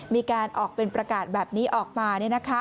มีการออกเป็นประกาศแบบนี้ออกมา